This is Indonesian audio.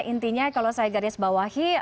intinya kalau saya garis bawahi